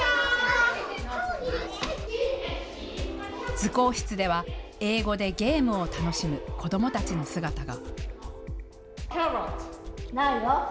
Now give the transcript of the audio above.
図工室では英語でゲームを楽しむ子どもたちの姿が。